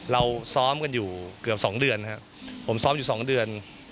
เราซ้อมกันอยู่เกือบสองเดือนผมซ้อมอยู่สองเดือน